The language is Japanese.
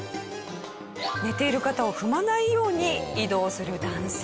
寝ている方を踏まないように移動する男性。